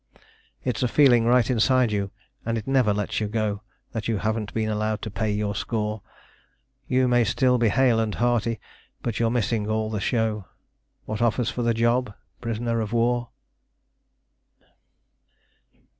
It's a feeling right inside you, and it never lets you go, That you haven't been allowed to pay your score: You may still be hale and hearty, but you're missing all the show. What offers for the job? Prisoner of war.